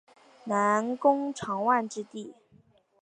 南宫长万之弟。